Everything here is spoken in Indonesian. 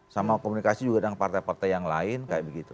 sama komunikasi juga dengan partai partai yang lain kayak begitu